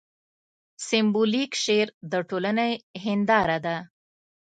سېمبولیک شعر د ټولنې هینداره ده.